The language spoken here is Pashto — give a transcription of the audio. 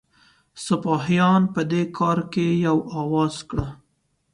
سپاهیان په دې کار کې یو آواز کړه.